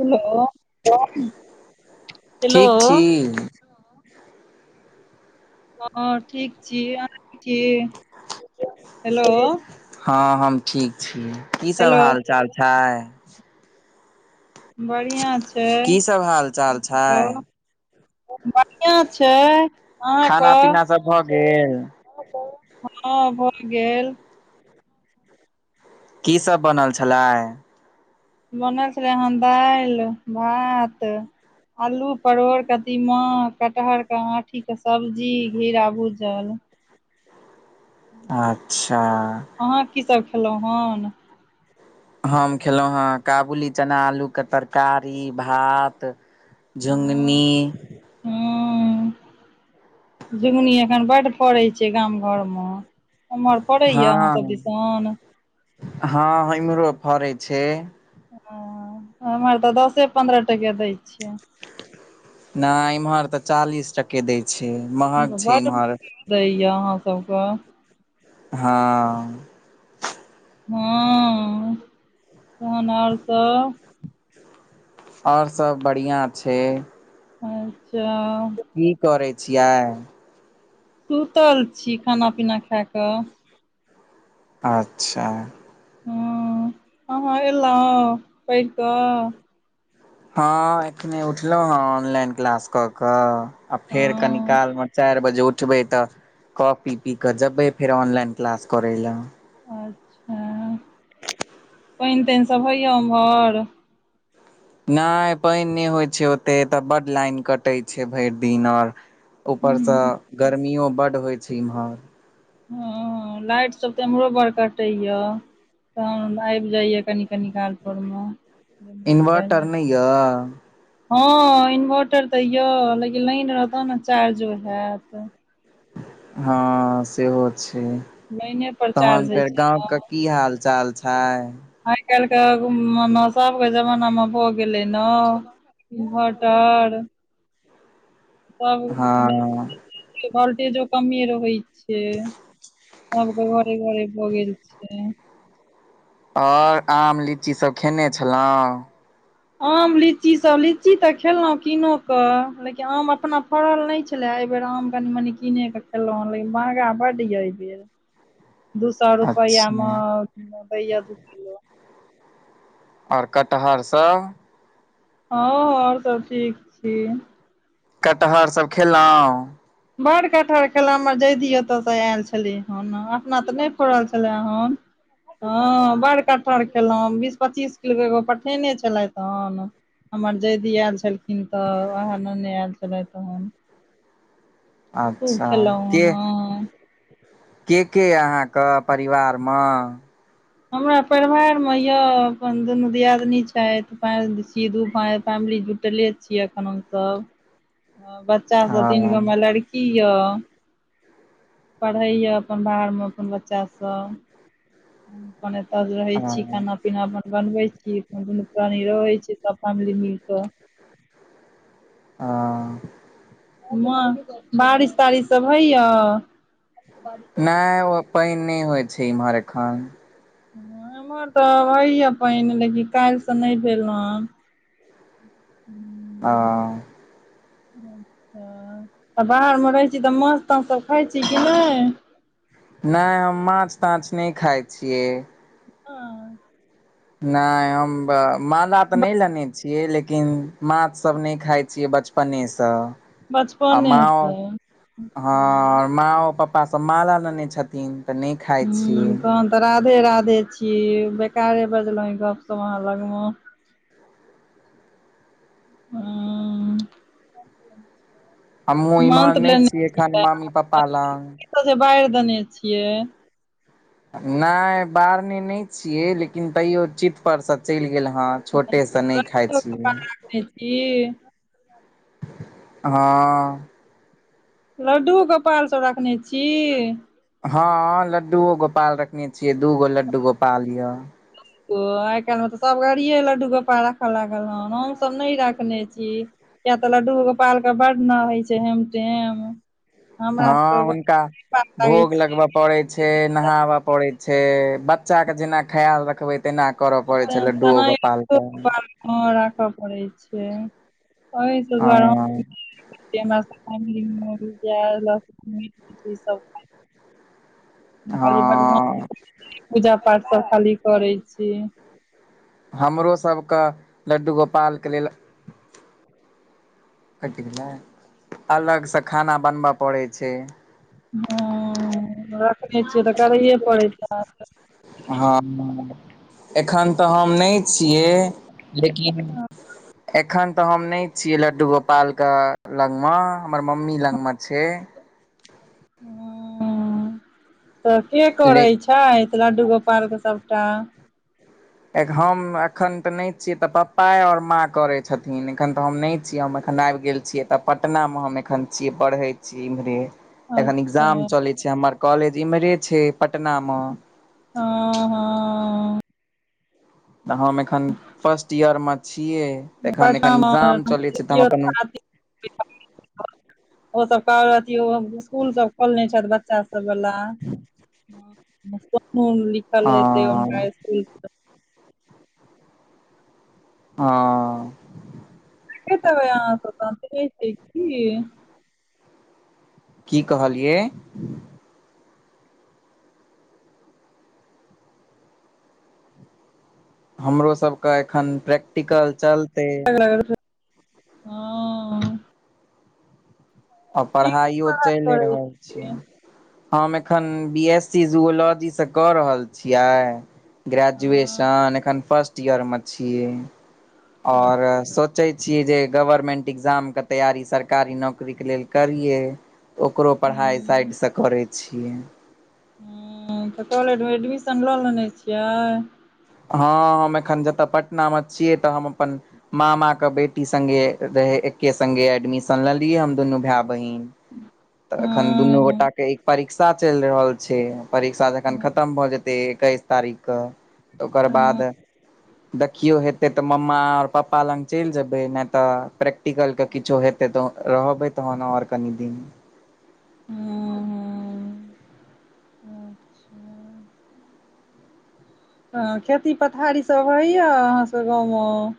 Hello hello ठीक छी हँ ठीक छी अहाँ [unintelligible] छी हेलो हँ हम ठीक छी की सब हेलो हाल चाल छै बढ़ियाँ छै की सब हाल चाल छै बढ़ियाँ छै अहाँके खाना पीना सब भऽ गेल हँ भऽ गेल की सब बनल छलै बनल छलै हँ दालि भात आलू परोर कदीमा कटहर के आठी के सब्जी घिउरा भूजल अच्छा अहाँ की सभ खेलहुँ हन हम खयेलहुँ हे काबुली चना आलू के तरकारी भात झुंगनी हूंम्म झुंगनी एखन बड्ड पड़ै छै गाम घर मे उमहर फरै हँ यऽ अहा सब दिसन हँ इम्हरो फरै छै हॅं हम आर तऽ दसे पंन्द्रह टके दै छियै नहि इम्हर तऽ चालीस टके दै छै महग छै बड्ड महॅंग इम्हर दै या अहाँ सबके हँ हँ तहन आर सब ओर सब बढ़ियाँ छै अच्छा की करै छियै सुतल छी खाना पीना खा कऽ अच्छा अहाँ एलौं पढ़ि कऽ हँ एखने उठलहुँ हँ ऑनलाइन क्लास कऽ कऽ आ फेर कनी हँ काल मे चारि बजे उठ उठबै तऽ कॉफी पी कऽ जेबै फेर ऑनलाइन क्लास करे लए अच्छा आ [inaudible] पानि तानि सभ होइया उम्हर नहि पानि नहि होइत छै ओते तऽ बड्ड लाइन कटैत छै भरि दिन आऔर ऊपरसँ गर्मियो बड्ड होइ छै इम्हर हँ लाइट सब तऽ एम्हरो बड़ कटै या तहन आबि जाइए कनी कनी कालपरमे इन्वर्टर नहि ये हँ इन्वर्टर तऽ यऽ लेकिन लाइन रहत तऽ ने चार्जो हैत हँ सेहो छै लाइने पर चार्ज तहन होइ फेर छै ने गाँवके की हाल चाल छै आइ काल्हिके मने सभके जमानामे भऽ गेलै ने इन्भर्टर तब हँ भोलटेजो कमे रहे छै सबके घरे घरे भऽ गेल छै आओर आम लीची सब खेने छलहुँं आम लीची सब लीची तऽ खेलहुँ कीनोक के लेकिन आम अपना फड़ल नहि छै एहि बेेर आम कनी मनी कीने क खेलहुँ हँ लेकिन महँगा बड्ड यऽ एहि बेर दू सए रुपआ अच्छा मे दैय दू किलो आओर कटहरसभ हँ आओर सभ ठीक छी कटहर सब खेलौं बर कटहर खेलर जैधी ओतयसँ आयल छली हेन अपना तऽ नहि फड़ल छेलै हन हँ बड़ कटहर खेलहुँं बीस पच्चीस किलो एगो पठेने छलथि हन हमर जयेधी आयल छलखिन तऽ वहे लेने आयल छले तहन खुब अच्छा खेलों के हॅं के के अहाँके परिवारमे हमरा परिवार मे यऽ अपन दुनू दियादिनी छथि सीधू फैमिली जूट सुतले छीय अखन हम सब बच्चा सब तीन गों हँ मे लड़की ये पढ़ैए अपन बाहरमे अपन बच्चासभ अपन एतऽ रहै छी हँ खाना ना अपन बनवे छी दुनू प्राणी रहे छै सब फैमिली मिल कऽ ओ उम्हर बारिश तारिश सब होइय नहि ओ पइन नहि होइ छै एम्हर एखन ह एमहर तऽ होइए पाइन लेकिन काइल्हिसँ नहि भेल हन आ तऽ बाहरमे रहै छी तऽ माछ ताँछसब खाइ छी कि नहि नहि हम माछ ताछ नहि खाइ छियै ह [inaudible] नहि हम माला तऽ नहि लेने छियै लेकिन माछसभ नहि खाय छियै बचप पने सँ आ माँ बचपनेसँ हँ माँओ पप्पासभ माला लेने छथिन तऽ नहि खाइ छियै हूँ तहन तऽ राधे राधे छी बेकारे बजलहु गप सप अहाँ लग मे हूंम्म हमूँ इमहर नहि छियै एखन मम्मी पप्पा लग सब जे बाइड़ देने छियै नहि बारने नहि छियै लेकिन तैयो चित परसँ चैल गेल हन छोटेसँ नहि खाइ छियै ई हँ लड्डू गोपाल सब राखने छी हँ लड्डूओ गोपाल रखने छियै दू गो लड्डू गोपाल ये [inaudible] ओ आइ काइलमे तऽ सब गड़िए लड्डू गोपाल राखे लागल हन हम सब नहि राखने छी किया तऽ लड्डू गोपाल के बड्ड न होइ छै हेम टेम हमरा हँ सबके हुनका पाप लागै भोग छै लगब पड़े छै नहाब पड़े छै बच्चा के जेना खयाल रखबै तेना करऽ पड़ै छै लड्डू ओ गोपाल कऽ हँ राखऽ पड़ै छै एहि से दुआरे हँ म फम ल सब [unintelligible] खाली भगवान हँ [unintelligible] पूजा पाठ सब खाली करै छी हमरो सबक लड्डू गोपालके लेल कथ नहि अलगसँ खाना बनब पड़ै छै हँ रखने छियै तऽ करैए पड़ैत हैत हँ एखन तऽ हम नहि छियै लेकिन एखन तऽ हम नहि छियै लड्डू गोपालके लगमे हमर मम्मी लगमे छै तऽ के ले करै छै छै तऽ लड्डू गोपाल के सबटा हम एखन तऽ नहि छियै तऽ पप्पाए और माँ करै छथिन एखन तऽ हम नहि छीयै हम एखन आइब गेल छियै ए तऽ पटनामे हम एखन छियै पढ़ै छी इम्हरे एखन अच्छा एग्जाम चले छै हमर कॉलेज इम्हरे छै पटना मे हँ हँ त हम एखन फर्स्ट ईयरमे छियै तऽ एखन एखन पटनामे एग्जाम चलै छै तऽ हम अपन [unintelligible] [unintelligible] ओसभ कह अथि इसकुल सब खोलने छथ बच्चा सब बला लिखल हेतै हुनका हँ स्कुल आँ के तबै अहाँता छै [unintelligible] की कहलियै हमरो सबके एखन प्रैक्टिकल चलते र [inaudible] आ ठीक पढ़ाइओ पढ़ाइ चैले करै रहल छै छियै हम एखन बी एस सी जुओलॉजीसँ कऽ रहल छियै हँ ग्रेजुएशन एखन फर्स्ट ईयरमे छीयै ओर अच्छा सोचै छियै जे गवर्मेंट एकग्जामके तैयारी सरकारी नौकरीके लेल करियै ओकरो पढ़ाइ हूँ साइडसँ करैत छियै हूंम्म तऽ कॉलेज मे एडमिशन लऽ लेने छियै हँ हम एखन जतय पटना मे छियै तऽ हम अपन मामा के बेटी संगे रहे एके संगे एडमिशन लेलियै हम दुनू भाय बहिन तऽ अखन दुनू हँ गोटा के एक परीक्षा चैल रहल छै परीक्षा जखन हँ खतम भऽ जेतै एकैस तारीखके ओकर बाद देखियौ हेतै तऽ मम्मार पप्पा लग चैल जेबै नहि तऽ प्रैक्टिकलके किछो हेतै तऽ रहबै तहन और कनि दिन ह अच्छा [unintelligible] हँ खेती पथारी सब होइए अहाँ सब गाँवमे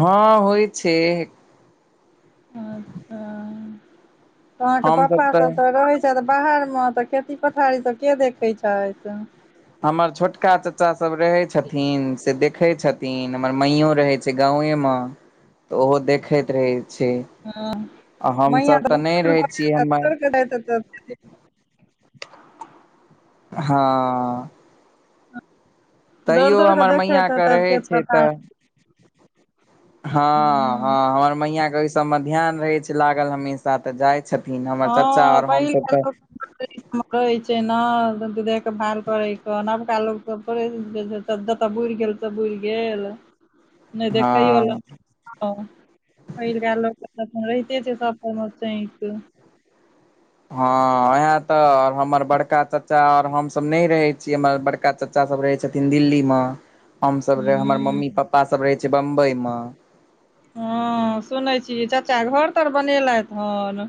हँ होइ छै अच्छा त अहाँके प्पा सब तऽ रह बाहर मे तऽ खेती पथारी तऽ के देखैत छैथ हमर छोटका चाचा सब रहै छथिन से देखै छथिन तीन हमर मइयो रहै छै गाेवे तऽ ओहो देखैत रहै छै हँ आ म हमसभ तऽ बड़क नहि रहै छियै हमर हँ तैयो दौड़ कऽ हमर देखैत मैयाके हेतैथ रहै के छै पता तऽ हँ हूँ हँ हमर मैंया के ओहि सभमे ध्यान रहैत छै लागल हमेशा तऽ जाइत छथिन हमर चाचा हँ ओर हमसभ पहिलका तऽ [unintelligible] रहै छै ने देखभाल करैके नबका लोकके थोडे त जऽ बुरि गेल तऽ बुर गेल नहि हँ देखैयो ल ह पहिलक रहिते छै सब हँ उएहाँ तऽ हमर बड़का चाचा ओर हमसभ नहि रहै छीये हमर बड़ बरका चचा सब रहै छथिन दिल्ली मे हम सब हमर हूँ मम्मी पपा सब रहे छै बम्बई मे हँ सुनै छी चाचा घर तर बनेलथ हन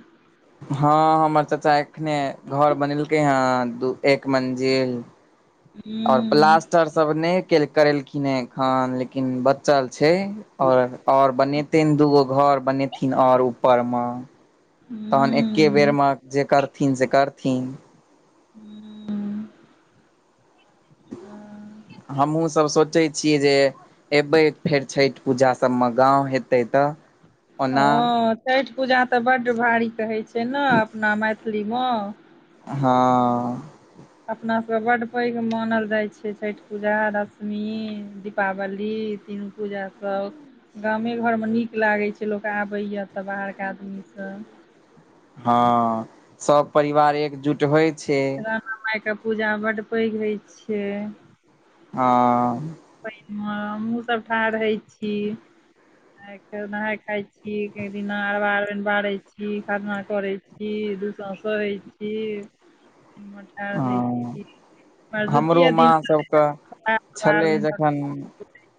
हँ हमर चचा एखने घर बनेलकै हेँ दू एक मंजिल ओर हूँ प्लास्टरसभ नहि करेलखिन हे एखन लेकिन ब चल छै और और बनेतन दूगो घर बनेथिन ओर ऊपर मे तहन एक्के हूँ बेरमे जे करथिन से करथिन हूंम्म ह [inaudible] हमहूँसभ सोचै छियै जे एबै फेर छैट पूजा सबमे गाँव हेतै तऽ ओना हँ छैठ पूजा तऽ बड्ड भारी कहैत छै ने अपना मैथिलीमे हँ अपनासभके बड्ड पैघ मानल जाइ छै छैट पूजा दशमी दीपावली तीन पूजासभ गामे घरमे नीक लागै छै लोक आबैए तऽ बाहरके आदमीसभ हँ सब परिवार एकजुट होइ छै राना मायके पूजा बड्ड पैघ हेइ छियै हँ पैन मे हमहूँसभ ठार है छी नहाय खाय छी एक दिना अरबा अरइनि बारै छी खरना करैत छी दु साँझ सहै छी हँ हमरो भरदुतिया दिन [unintelligible] हँ [unintelligible]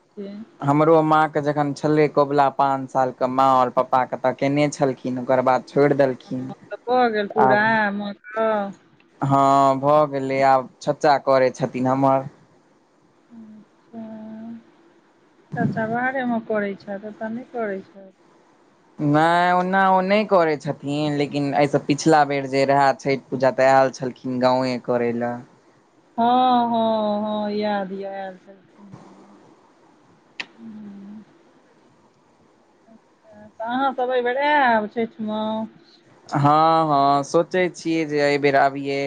त [inaudible] हमरो माँके जखन छलै कबुला पाँच सालके माँ आओर पपापाकेँ तऽ कयने छलखिन ओकर बाद छोड़ि देलखिन भऽ गेल पूरा आब मक्क हँ भऽ गेलै आब चच्चा करै छथिन हमर अच्छा चाचा बाहरेमे करैत छै काज एतऽ नहि करै छैथ नहि ओना ओ नहि करैत छथिन लेकिन एहिसँ पिछला बेर जे रहए छथि पूजा तऽ आयल छलखिन गाँव ए करै लए। हँ हँ हँ याद य आयल छै तऽ अहाँसभ एहिबेर आयब छैठ मे हँ हँ सोचै छियै जे एहबेर आबियै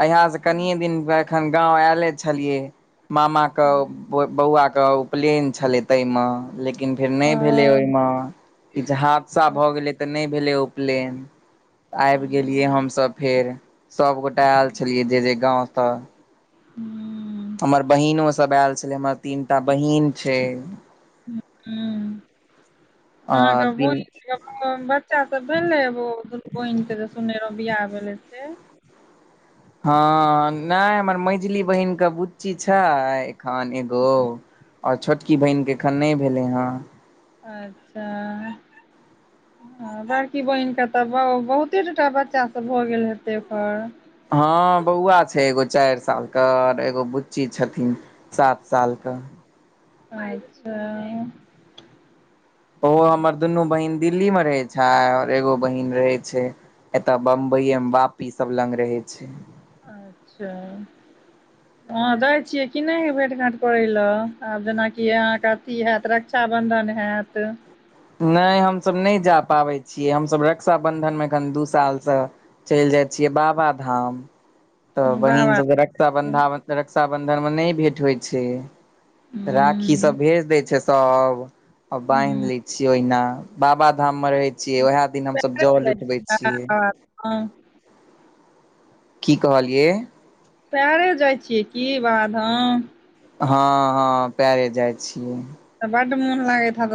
अहाँ से कने दिन एखन गाँंव आयले छलियै मामा के बौआ के उपलेयन छलै ताहिमे लेकिन फेर नहि भेले हँ ओहिमे किछु हादसा भए गेले तऽ नहि भेले ओ प्लेन आबि गेलियै हूँ हमसभ फेर सभगोटा आयल छलियै जे जे गाँव सॅं हूँ हमर बहिनो सभ आयल छलै हमर तीनटा बहिन छै हूँ आ अहाँके बिन बहिन बच्चा सब भेले ओ बहिन के जे सुने रहौ बियाह भेले से हँ नहि हमर मॅंझली बहिनक के बुच्ची छै खन एगो ओर छोटकी बहिनके एखन नहि भेलै हँ अच्छा हँ बड़की बहिनके तऽ बहुते टा बच्चा सब भऽ गेल हेतै पर हँ बउआ छै एगो चारि सालके एगो बुच्ची छथिन सात साल कऽ अच्छा ओहो हमर दुनू बहीन दिल्ली मे रहै छै आओर एगो बहीन रहै छै एतऽ बम्बईए मे बाप सब लग रहे छै अच्छा अहाँ जाय छियै किने हे भेट घाँट करै लए आब जेनाकि अहाँके अथी हैत रहै रक्षा बंधन हैयत नहि हमसभ नहि जा पाबै छियै हमसभ रक्षाबन्धनमे एखन दू सालसँ चलि जाइ छियै बाबाधाम तऽ बाबा बहीनसभ तऽ रक्षा के। हम्म, बन्धामे रक्षाबन्धनमे नहि भेंट होइ छै राखी सब भेज देै छै सब आ हम्म। बान्हि ले ओहिना बाबा धाम मे रहे छियै वएह दिन हमस जल उठबै छियै हँ की कहलियै पैरे जाइ छियै की बाबा धाम हँ हँ पैरे जाइ छियै बड्ड मोन लागै है तऽ